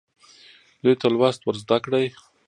دوی ته لوست ورزده کړئ.